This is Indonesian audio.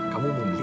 kamu mau beli